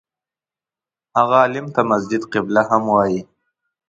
هغه عالم ته مسجد قبله هم وایي.